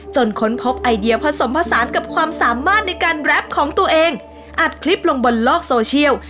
ค้นพบไอเดียผสมผสานกับความสามารถในการแรปของตัวเองอัดคลิปลงบนโลกโซเชียล